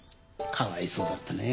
かわいそうだったね。